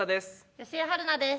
吉江晴菜です。